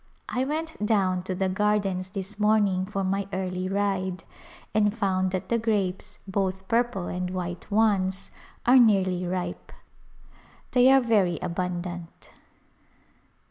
I went down to the gardens this morning for my early ride and found that the grapes — both purple and white ones — are nearly ripe. They are very abundant.